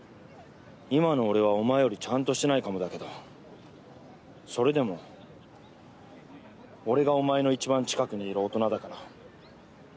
今の俺はお前よりちゃんとしてないかもだけどそれでも俺がお前の一番近くにいる大人だから。